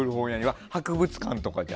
博物館とかじゃ。